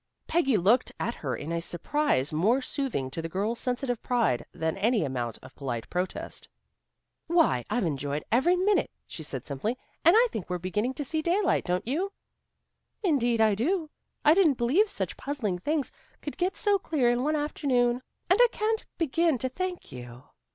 Peggy looked at her in a surprise more soothing to the girl's sensitive pride than any amount of polite protest. "Why, I've enjoyed every minute," she said simply. "And I think we're beginning to see daylight, don't you?" "Indeed I do. I didn't believe that such puzzling things could get so clear in one afternoon. And I can't begin to thank you."